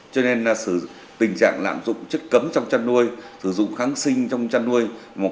cho nên tình trạng lạm dụng chất cấm trong chăn nuôi sử dụng kháng sinh trong chăn nuôi